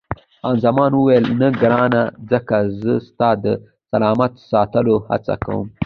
خان زمان وویل، نه ګرانه، ځکه زه ستا د سلامت ساتلو هڅه کوم.